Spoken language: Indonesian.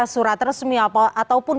surat resmi ataupun